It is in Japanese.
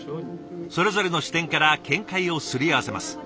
それぞれの視点から見解をすり合わせます。